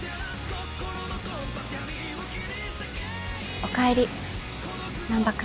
おかえり難破君。